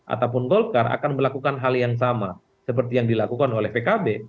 ataupun golkar akan melakukan hal yang sama seperti yang dilakukan oleh pkb